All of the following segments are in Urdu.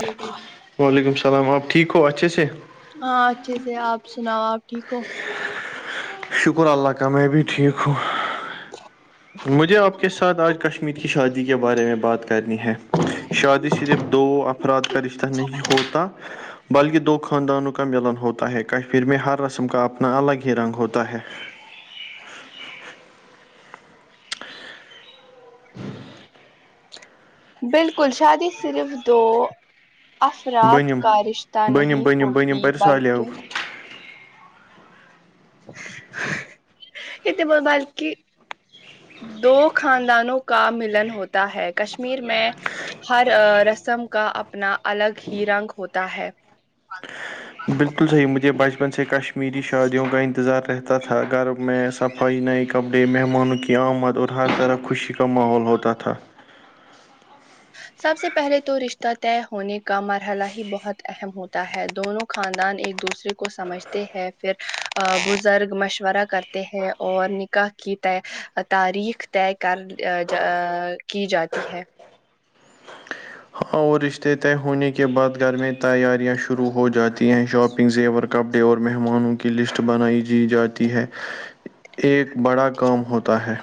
ہاں وعلیکم السلام آپ ٹھیک ہو اچھے سے ہاں اچھے سے آپ سناؤ آپ ٹھیک ہو شکر اللہ کا میں بھی ٹھیک ہوں مجھے آپ کے ساتھ آج کشمیر کی شادی کے بارے میں بات کرنی ہے شادی صرف دو افراد کا رشتہ نہیں ہوتا بلکہ دو خاندانوں کا ملن ہوتا ہے کشمیر میں ہر رسم کا اپنا الگ ہی رنگ ہوتا ہے بالکل شادی صرف دو افراد بنم کا رشتہ بنم نہیں بنم بنم ہوتی پر سالیو بلکہ یہ تو موبائل کی دو خاندانوں کا ملن ہوتا ہے کشمیر میں ہر رسم کا اپنا الگ ہی رنگ ہوتا ہے بالکل صحیح مجھے بچپن سے کشمیری شادیوں کا انتظار رہ تا گھر میں صفائی نئے کپڑے مہمانوں کی آمد اور ہر طرف خوشی کا ماحول ہوتا تھا سب سے پہلے تو رشتہ طے ہونے کا مرحلہ ہی بہت اہم ہوتا ہے دونوں خاندان ایک دوسرے کو سمجھتے ہے پھر بزرگ مشورہ کرتے ہیں اور نکاح کی طے تاریخ طے کر ا جا کی جاتی ہے اور رشتے طے ہونے کے بعد گھر میں تیاریاں شروع ہو جاتی ہیں شاپنگ زیور کپڑے اور مہمانوں کی لسٹ بنائی دی جاتی ہے ایک بڑا کام ہوتا ہے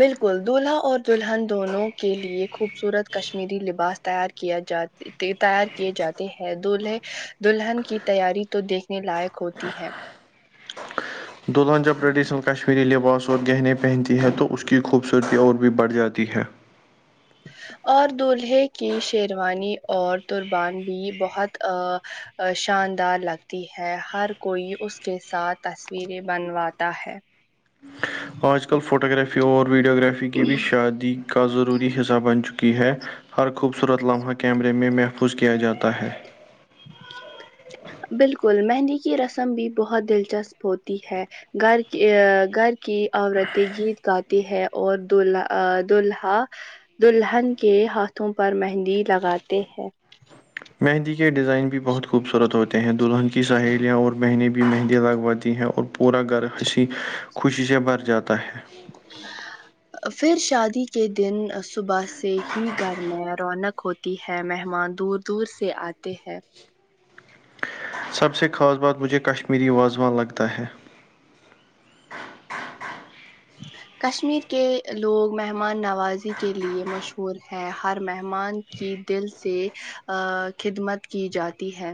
بالکل دولہا اور دلہن دونوں کے لیے خوبصورت کشمیری لباس تیار کیا جاتا تیار کیے جاتے ہیں دولہے دلہن کی تیاری تو دیکھنے لائق ہوتی ہے دلہن جاب ریڈشنل کشمیری لباس کو اور گہنے پہنتی ہے تو اس کی خوبصورتی اور بھی بڑھ جاتی ہے اور دولہے کی شیروانی اور قربان بھی بہت ا شاندار لگتی ہے ہر کوئی اس کے ساتھ تصویریں بنواتا ہے آج کل فوٹوگرافی اور ویڈیوگرافی کی بھی شادی کا ضروری حصہ بن چکا ہے کی ہے ہر خوبصورت لمحہ کیمرے میں محفوظ کیا جاتا ہے بالکل مہندی کی رسم بھی بہت دلچسپ ہوتی ہے گھر کی گھر کی عورتیں گیت گاتی ہے اور دولہا دولہا دلہن کے ہاتھوں پر مہندی لگاتے ہیں مہندی کے ڈیزائن بھی بہت خوبصورت ہوتے ہیں دلہن کی سہیلیاں اور بہنیں بھی مہندی لگواتی ہیں اور پورا گھر ہنسی خوشی سے بھر جاتا ہے پھر شادی کے دن صبح سے ہی گھر میں رونق ہوتی ہے مہمان دور دور سے آتے ہیں سب سے خاص بات مجھے کشمیری واازوان لگتا ہے کشمیر کے لوگ مہمان نوازی کے لیے مشہور ہیں ہر مہمان کی دل سے خدمت کی جاتی ہے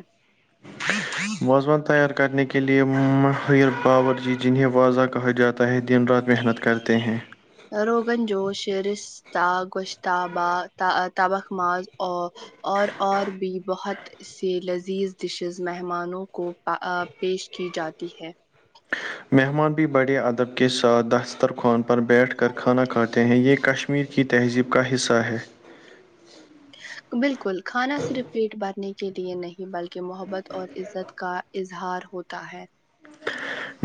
وازوان تیار کرنے کے لیے ماہر باور جی جنہیں واضح کہا جاتا ہے دن رات محنت کرتے ہیں روغن جوش رشتہ گوشتبہ تبخ ماز اور اور اور بھی بہت ایسی لذیذ ڈشز مہمانوں کو ا ا پیش کی جاتی ہے مہمان بھی بڑے ادب کے ساتھ داستتر خوان پر بیٹھ کر کھانا کھاتے ہیں یہ کش میر کی تہذیب کا حصہ ہے بالکل کھانا صرف پیٹ بھرنے کے لیے نہیں بلکہ محبت اور عزت کا اظہار ہوتا ہے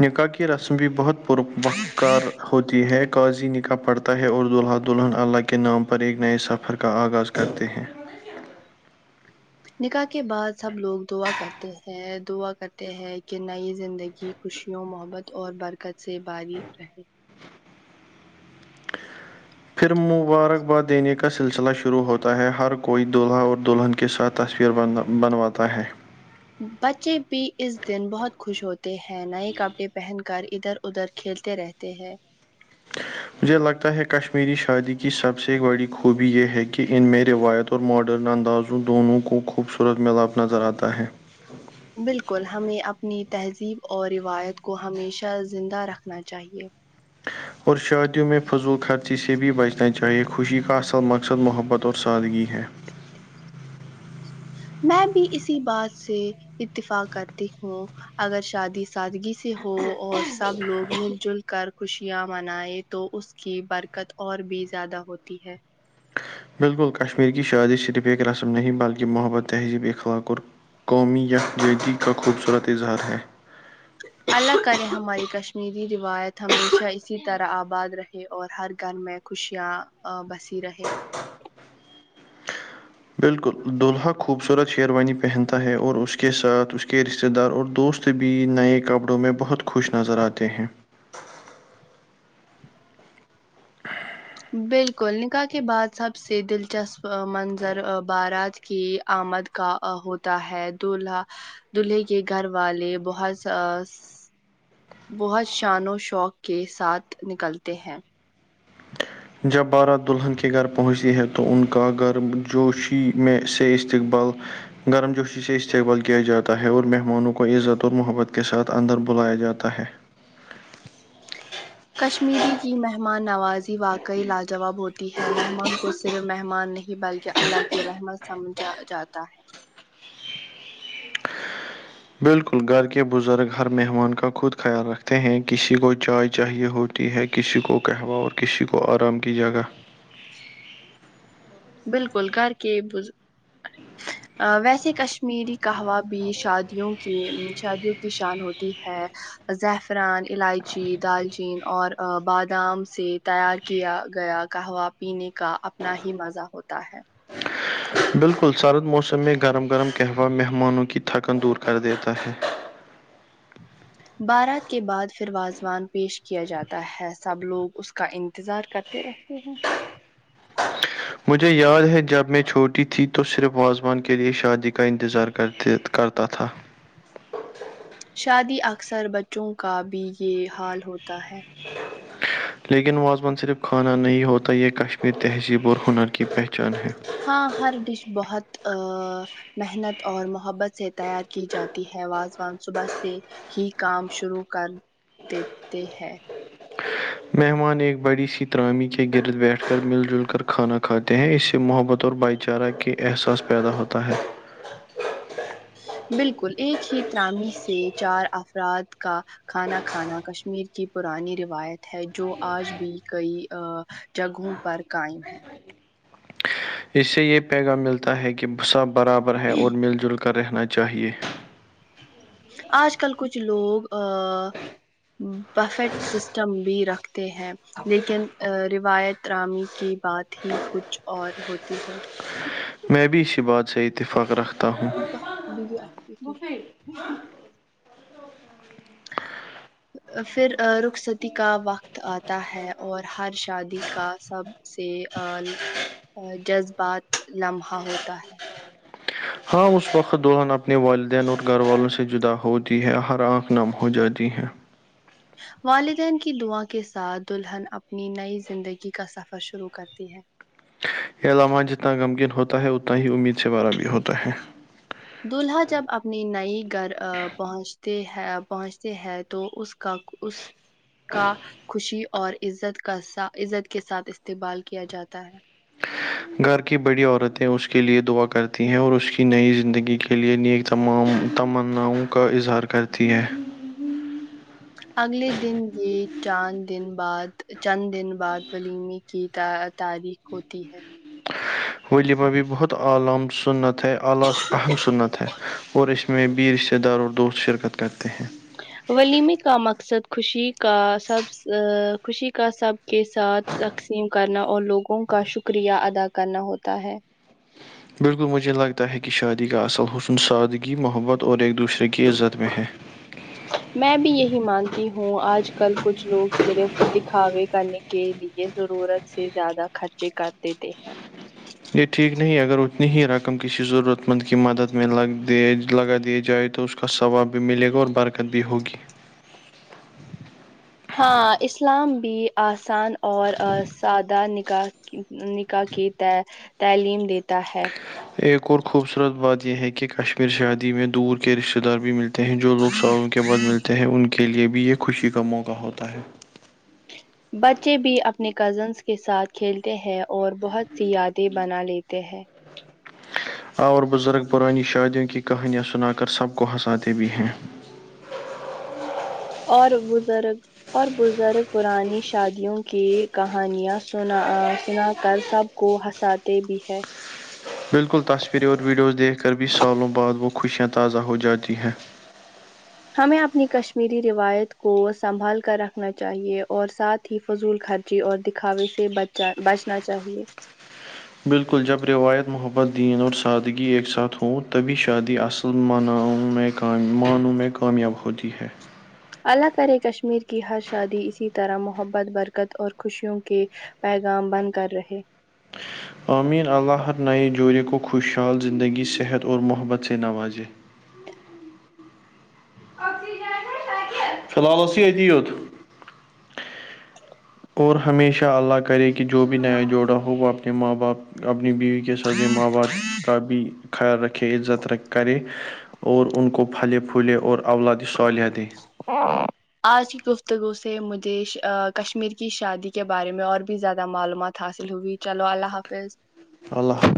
نکاح کی رسم بھی بہت پر وقار ہوتی ہے قاضی نکاح پڑتا ہے اور دلہا دلہن اللہ کے نام پر ایک نئے سفر کا آغاز کرتے ہیں نکاح کے بعد سب لوگ دعا کرتے ہیں دعا کرتے ہیں کہ نئی زندگی کی خوشیوں محبت اور برکت سے بھری رہے پھر مبارکباد دینے کا سلسلہ شروع ہوتا ہے ہر کوئی دولہا اور دلہن کے ساتھ تصویر بن بنواتا ہے بچے بھی اس دن بہت خوش ہوتے ہیں نئے کپڑے پہن کر ادھر ادھر کھیلتے رہتے ہیں مجھے لگتا ہے کشمیری شادی کی سب سے بڑی خوبی یہ ہے کہ ان میں روایتوں اور ماڈرن اندازوں دونوں کو خوبصورت ملاپ نظر آتا ہے بالکل ہمیں اپنی تہذیب اور روایت کو ہمیشہ زندہ رکھنا چاہیے اور شادیوں میں فضول خرچی سے بھی بچنا چاہیے خوشی کا اصل مقصد محبت اور سادگی ہے میں بھی اسی بات سے اتفاق کرتی ہوں اگر شادی سادگی سے ہو اور سب لوگ مل جھل کر خوشیاں منایے تو اس کی برکت اور بھی زیادہ ہوتی ہے بالکل کشمیر کی شادی صرف ایک رسم نہیں بلکہ محبت تہذیب اخلاق اور قومی یکجہتی کا خوبصورت اظہار ہے اللہ کرے ہماری کشمیری روایت ہمیشہ اسی طرح آباد رہے اور ہر گھر میں خوشیاں بسی رہے بالکل دولہا خوبصورت شیروانی پہنتا ہے اور اس کے ساتھ اس کے رشتے دار اور دوست بھی نئے کپڑوں میں بہت خوش نظر آتے ہیں بالکل نکاح کے بعد سب سے دلچسپ منظر بارات کی آمد کا ا ہوتا ہے دولہا دولہے کے گھر والے بہت سا بہت شان و شوق کے ساتھ نکلتے ہیں جب بارات دلہن کے کے گھر پہنچتی ہے تو ان کا گھر جوشی میں سے استقبال گرم جوشی سے استقبال کیا جاتا ہے اور مہمانوں کو عزت اور محبت کے ساتھ اندر بلایا جاتا ہے کشمیری کی مہمان نوازی واقعی لاجواب ہوتی ہے مہمان کو صرف مہمان نہیں بل کہ اللہ کے رحمت سمجھا جاتا ہے بالکل گھر کے بزرگ ہر مہمان کا خود خیال رکھتے ہیں کسی کو چائے چاہیے ہو تی ہے کسی کو کہوہ اور کسی کو آرام کی جگہ بالکل گھر کے بز ویسے کش میری کہوا بھی شادیوں کی شادیوں کی شان ہوتی ہے زعفران الائچی دالچین اور بادام سے تیار کیا گیا قہوہ پینے کا اپنا ہی مزہ ہوتا ہے بالکل سرد موسم میں گرم گرم قہوہ مہمانوں کی تھکن دور کر دیتا ہے بارات کے بعد پھر واضوان پیش کیا جاتا ہے سب لوگ اس کا انتظار کرتے رہتے ہیں مجھے یاد ہے جب میں چھوٹی تھی تو صرف واازوان کے لئے شادی کا انتظار کرتے کرتا تھا شادی اکثر بچوں کا بھی یہ حال ہوتا ہے لیکن واضوان صرف کھانا نہیں ہوتا یہ کشمیر تہذیب اور ہنر کی پہچان ہے ہاں ہر ڈش بہت آا محنت اور محبت سے تیار کی جاتی ہے وازوان صبح سے ہی کام شروع کر دیتے ہے مہمان ایک بڑی سی ترامی کے گرد بیٹھ کر مل جل کر کھانا کھاتے ہیں اس سے محبت اور بھائی چارہ کے احساس پیدا ہوتا ہے بالکل ایک ہی ترامی سے چار افراد کا کھانا کھانا کشمیر کی پرانی روایت ہے جو آج بھی کئی جگہوں پر قائم ہے اس سے یہ پیغام ملتا ہے کہ سب برابر ہے اور مل جل کر رہنا چاہیے آج کل کچھ لوگ بفیٹ سسٹم بھی رکھتے ہیں لیکن ا روایت رامی کی بات ہی کچھ اور ہوتی ہے میں بھی اسی بات سے اتفاق رکھتا ہوں پھر رخصتی کا وقت آتا ہے اور ہر شادی کا سب سے جذبات لمحہ ہوتا ہے ہاں اس وقت دلہ اپنے والدین اور گھر والوں سے جدا ہوتی ہے ہر آنکھ نم ہو جاتی ہے والدین کی دعا کے ساتھ دلہن اپنی نئی زندگی کا سفر شروع کرتی ہے یہ لمحہ جتنا غمگن ہوتا ہے اتنا ہی امید سے بارا بھی ہوتا ہے دولہا جب اپنی نئی گھر پہنچتے ہے پہنچتے ہے تو اس کا اس کا خوشی اور عزت کا س عزت کے ساتھ استقبال کیا جاتا ہے گھر کی بڑی عورتیں اس کے لئے دعا کرتی ہیں اور اس کی نئی زندگی کے لئے نیک تمام تمناؤں کا اظہار کرتی ہے اگلے دن یہ چاند دن بعد چند دن بعد ولیمی کی تحت تاریخ ہوتی ہے ولیمہ بھی بہت عالام سنت ہے اعلی اہم سنت ہے اور اس میں میں بھی رشتے دار اور دوست شرکت کرتے ہیں ولیمے کا مقصد خوشی کا سب خوشی کا سب کے ساتھ تقسیم کرنا اور لوگوں کا شکریہ ادا کرنا ہوتا ہے بالکل مجھے لگتا ہے کہ شادی کا اصل حسن سادگی محبت اور ایک دوسرے کی عزت میں ہے میں بھی یہی مانتی ہوں آج کل کچھ لوگ صرف دکھاوے کرنے کے لیے ضرورت سے زیادہ خرچے کر دیتے ہیں یہ ٹھیک نہیں اگر اتنی ہی رقم کسی ضرورت مند کی مدد میں لگ دیے لگا دییا جائے تو اس اس کا ثواب بھی ملے گا اور برکت بھی ہوگی ہاں اسلام بھی آسان اور ا سادہ نکاح کی ہ نکاح کی ت تعلیم دیتا ہے ایک اور خوبصورت بات یہ ہے کہ کشمیر شادی میں دور کے رشتہ دار بھی مل تے ہیں جو لوگ سالوں کے بعد ملتے ہیں ان کے لیے بھی یہ خوشی کا موقع ہوتا ہے بچے بھی اپنے کزنس کے ساتھ کھیلتے ہیں اور بہت سی یادیں بنا لیتے ہیں اور بزرگ پرانی شادیوں کی کہانیاں سنا کر سب کو ہنساتے بھی ہیں اور بزرگ اور بزرگ پرانی شادیوں کے کہانیاں سنا ا سنا کر سب کو ہنساتے بھی ہے بالکل تصویریں اور ویڈیوز دیکھ کر بھی سالوں بعد وہ خوشیاں تازہ ہو جاتی ہیں ہمیں اپنی کشمیری روایت کو سنبھال کر رکھنا چاہیے اور ساتھ ہی فضول خر چی اور دکھاوے سے بچا بچنا چاہیے بالکل جب روایت محبت دین اور سادگی ایک ساتھ ہوں تبھی شادی اصل مناوں میں کام معنوں میں کامیاب ہوتی ہے اللہ کرے کشمیر کی ہر شادی اسی طرح محبت برکت اور خوشیوں کے پیغام بن کر رہے امین اللہ ہر نئے جوڑے کو خوشحال زندگی صحت اور محبت سے نوازے فی الحال اس یدی ہو تم اور ہمیشہ اللہ کرے کہ جو بھی نیا جوڑا ہو وہ اپنے ماں باپ اپنی بیوی ساتھ ماں باپ کا بھی خیال رکھے عزت را کرے اور ان کو پھلے پھولے اور اولاد صالح دیں ہاں آج کی گفتگو سے مجھے ش کشمیر کی شادی کے بارے میں اور بھی زیادہ معلومات حاصل ہوئی چلو اللہ حافظ اللہ